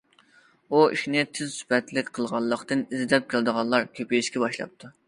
ئۇ ئىشنى تېز، سۈپەتلىك قىلغانلىقتىن ئىزدەپ كېلىدىغانلار كۆپىيىشكە باشلاپتۇ.